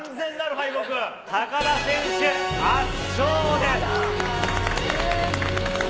高田選手、圧勝です。